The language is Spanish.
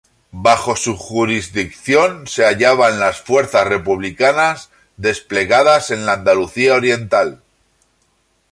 Bajo su jurisdicción se hallaban las fuerzas republicanas desplegadas en la Andalucía oriental.